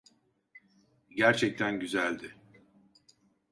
Gerçekten güzeldi.